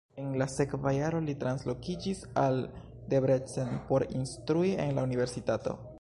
En la sekva jaro li translokiĝis al Debrecen por instrui en la universitato.